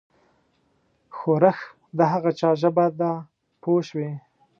ښورښ د هغه چا ژبه ده پوه شوې!.